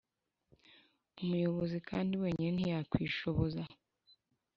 umuyobozi kandi wenyine ntiyakwishoboza